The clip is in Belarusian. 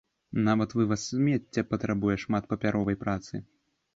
Нават вываз смецця патрабуе шмат папяровай працы.